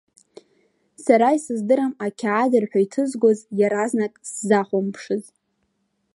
Сара исыз-дырам, ақьаад рҳәы иҭызгоз иаразнак сзахәамԥшыз.